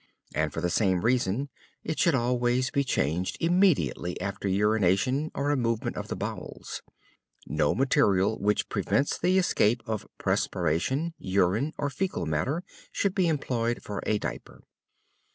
And for the same reason it should always be changed immediately after urination or a movement of the bowels. No material which prevents the escape of perspiration, urine or fecal matter should be employed for a diaper.